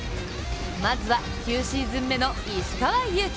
まずは９シーズン目の石川祐希。